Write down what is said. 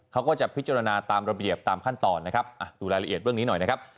เขาก็จะพิจารณาตามระเบียบตามขั้นตอนนะครับดูรายละเอียดเรื่องนี้หน่อยนะครับ